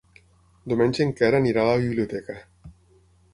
Diumenge en Quer irà a la biblioteca.